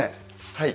はい。